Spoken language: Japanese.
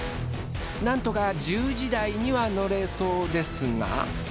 なんとか１０時台には乗れそうですが。